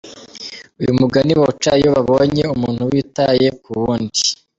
Uyu mugani bawuca iyo babonye umuntu witaye ku wundi